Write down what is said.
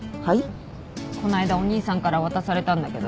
こないだお兄さんから渡されたんだけどね。